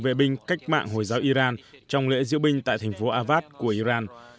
vệ binh cách mạng hồi giáo iran trong lễ diễu binh tại thành phố avad của iran